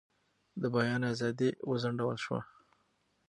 د بیان ازادي وځنډول شوه.